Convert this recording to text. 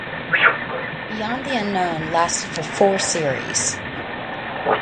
"Beyond the Unknown" lasted for four series.